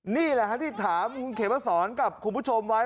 นี่แหละครับที่ถามเขมาสอนกับคุณผู้ชมไว้